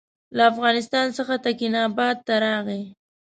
له افغانستان څخه تکیناباد ته راغی.